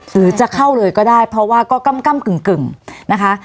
หรือจะเข้าเลยก็ได้เพราะว่าก็กำกึ่งนะคะ